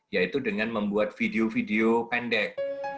yaitu dengan membuat video video pendek